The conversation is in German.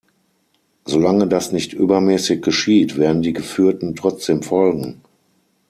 Solange das nicht übermäßig geschieht, werden die Geführten trotzdem folgen.